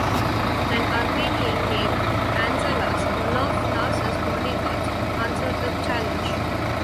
An Armenian named Anzalas, one of Narses' bodyguards, answered the challenge.